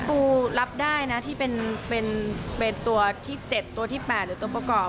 ปูรับได้นะที่เป็นตัวที่๗ตัวที่๘หรือตัวประกอบ